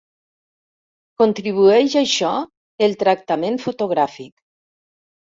Contribueix a això el tractament fotogràfic.